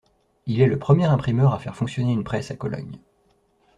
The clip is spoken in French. Il est le premier imprimeur à faire fonctionner une presse à Cologne.